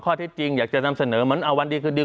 ที่จริงอยากจะนำเสนอเหมือนเอาวันดีคืนดี